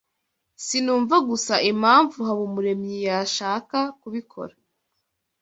Sinumva gusa impamvu Habumuremyi yashaka kubikora.